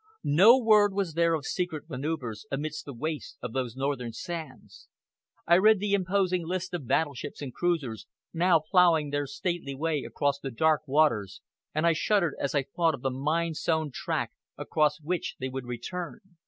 No word was there of secret manoeuvres amidst the wastes of those northern sands. I read the imposing list of battleships and cruisers, now ploughing their stately way across the dark waters, and I shuddered as I thought of the mine sown track across which they would return.